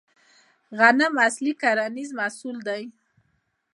غنم اصلي کرنیز محصول دی